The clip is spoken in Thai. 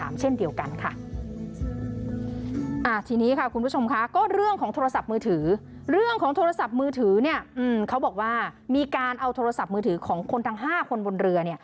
มีการเอาโทรศัพท์มือถือของคนทั้ง๕คนบนเรือ